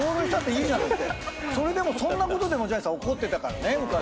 それでもそんなことでもジャニーさん怒ってたから昔は。